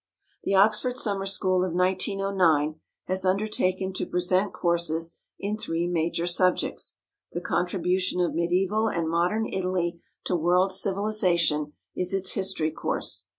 The Oxford Summer School of 1909 has undertaken to present courses in three major subjects: the contribution of medieval and modern Italy to world civilization is its history course.